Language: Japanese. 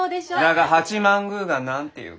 だが八幡宮が何て言うか。